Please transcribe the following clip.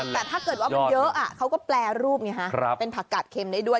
แต่ถ้าเกิดว่ามันเยอะเขาก็แปรรูปไงฮะเป็นผักกาดเข็มได้ด้วย